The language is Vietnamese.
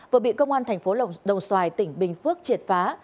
vừa bị công an thành phố đồng xoài tỉnh bình phước triệt phá